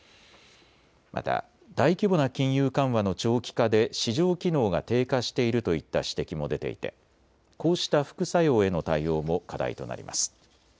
また大規模な金融緩和の長期化で市場機能が低下しているといった指摘も出ていて、こうした副作用への対応も課題となります。